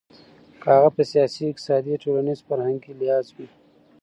که هغه په سياسي، اقتصادي ،ټولنيز، فرهنګي لحاظ وي .